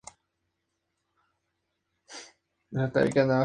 Casado con Patricia Ramírez Duque.